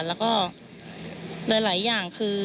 แล้วก็โดยหลายอย่างคือ